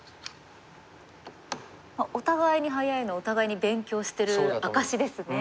お互いに早いのはお互いに勉強してる証しですね。